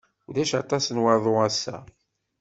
Ulac aṭas n waḍu ass-a.